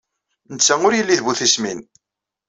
Netta ur yelli d bu tismin.